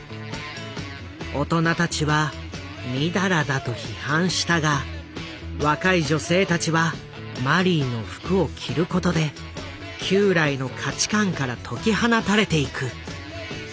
大人たちは「淫らだ」と批判したが若い女性たちはマリーの服を着ることで旧来の価値観から解き放たれていく。